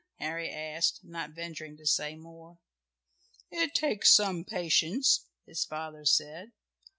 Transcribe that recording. Harry asked, not venturing to say more. "It takes some patience," his father said.